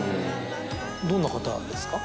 どんな方ですか？